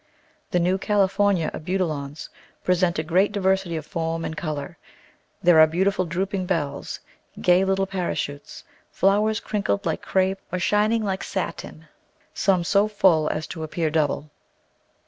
The new California Abutilons present a great diversity of form and colour — there are beautiful drooping bells, gay little para chutes, flowers crinkled like crape or shining like satin, some so full as to appear double.